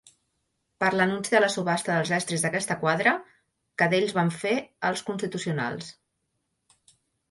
Per l'anunci de la subhasta dels estris d'aquesta quadra, que d'ells van fer els constitucionals.